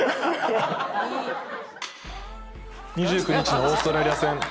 ２９日のオーストラリア戦。